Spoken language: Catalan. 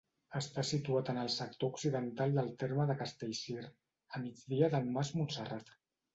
Està situat en el sector occidental del terme de Castellcir, a migdia del Mas Montserrat.